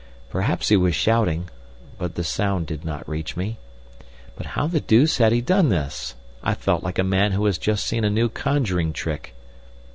Perhaps he was shouting—but the sound did not reach me. But how the deuce had he done this? I felt like a man who has just seen a new conjuring trick.